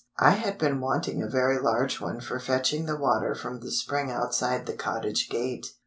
I had been wanting a very large one for fetching the water from the spring outside the cottage gate.